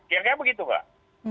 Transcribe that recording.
kira kira begitu mbak